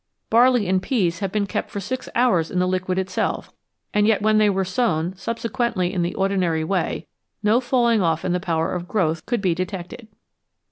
Barley and peas have been kept for six hours in the liquid itself, and yet when they were sown subsequently in the ordinary way no falling off in the power of growth could be detected.